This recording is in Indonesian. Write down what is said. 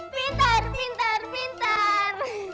pintar pintar pintar